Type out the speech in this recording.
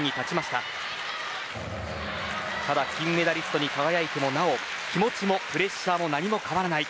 ただ、金メダリストに輝いてもなお、気持ちもプレッシャーも何も変わらない。